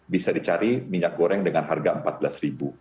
bisa dicari minyak goreng dengan harga rp empat belas